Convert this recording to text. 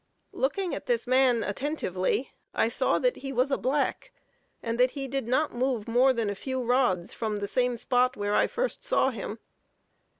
Looking at this man attentively, I saw that he was a black, and that he did not move more than a few rods from the same spot where I first saw him.